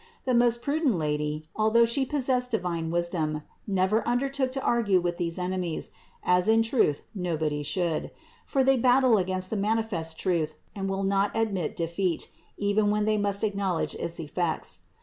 The most prudent Lady, although She possessed divine wisdom, never undertook to argue with these enemies, as in truth nobody should ; for they battle against the mani fest truth and will not admit defeat, even when they must acknowledge its effects.